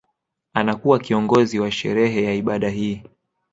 Anakuwa kiongozi wa sherehe ya ibada hii